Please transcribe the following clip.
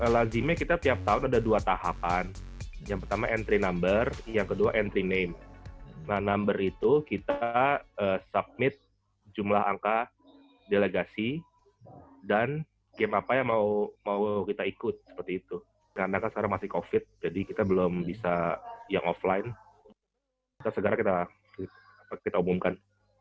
jadi kita belum bisa yang offline kita sekarang kita umumkan